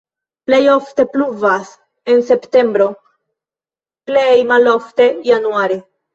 Plej ofte pluvas en septembro, plej malofte januare.